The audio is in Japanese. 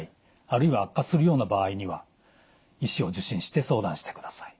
あるいは悪化するような場合には医師を受診して相談してください。